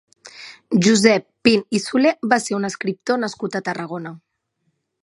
Josep Pin i Soler va ser un escriptor nascut a Tarragona.